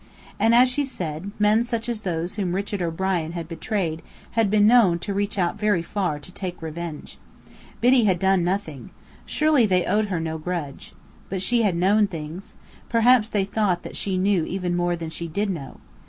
And as she said, men such as those whom Richard O'Brien had betrayed had been known to reach out very far to take revenge. Biddy had done nothing. Surely they owed her no grudge. But she had known things. Perhaps they thought that she knew even more than she did know.